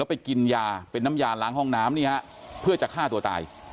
ไปกินยาเป็นน้ำยาล้างห้องน้ำนี่ฮะเพื่อจะฆ่าตัวตาย